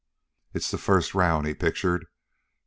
"It's the first round," he pictured.